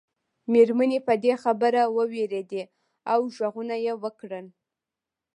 مېرمنې په دې خبره ووېرېدې او غږونه یې وکړل.